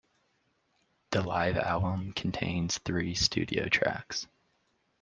The live album contains three studio tracks.